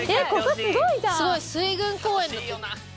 すごい水軍公園だって。